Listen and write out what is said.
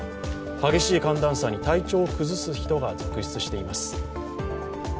激しい寒暖差に体調を崩す人が続出しています。